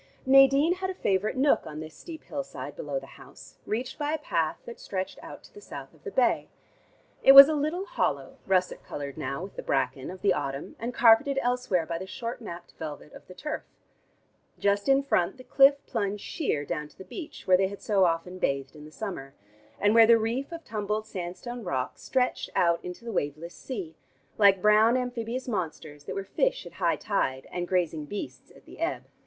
Nadine had a favorite nook on this steep hillside below the house, reached by a path that stretched out to the south of the bay. It was a little hollow, russet colored now with the bracken, of the autumn, and carpeted elsewhere by the short napped velvet of the turf. Just in front, the cliff plunged sheer down to the beach, where they had so often bathed in the summer, and where the reef of tumbled sandstone rocks stretched out into the waveless sea, like brown amphibious monsters that were fish at high tide and grazing beasts at the ebb.